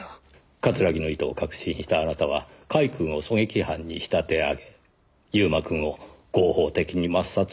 桂木の意図を確信したあなたは甲斐くんを狙撃犯に仕立て上げ悠馬くんを合法的に抹殺する状況を手に入れた。